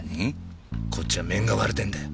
こっちは面が割れてんだ。